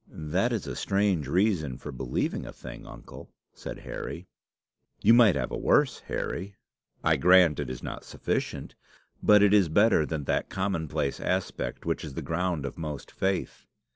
"That is a strange reason for believing a thing, uncle," said Harry. "You might have a worse, Harry. I grant it is not sufficient; but it is better than that commonplace aspect which is the ground of most faith.